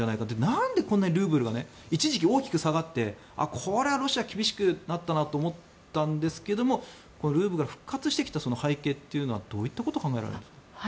なんで、こんなにルーブルが一時期大きく下がってこれはロシア、厳しくなったなと思ったんですけどもルーブルが復活してきたその背景というのはどういったことが考えられるんですか？